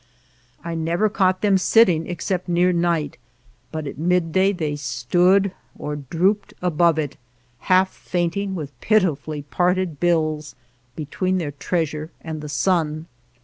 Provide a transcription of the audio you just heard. I never caught them sitting except near night, but at midday they stood, or drooped above it, half fainting with pitifully parted bills, between their treasure and the sun.